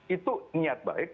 itu niat baik